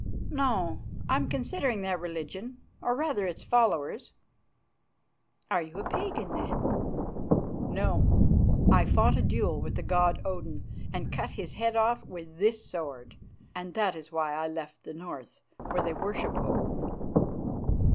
"No; I am considering that religion or rather its followers." "Are you a pagan, then?" "No. I fought a duel with the god Odin, and cut his head off with this sword, and that is why I left the North, where they worship Odin."